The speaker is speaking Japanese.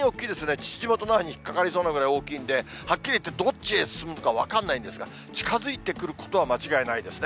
父島に引っ掛かりそうなぐらい大きいんで、はっきり言って、どっちへ進むか分からないんですが、近づいてくることは間違いないですね。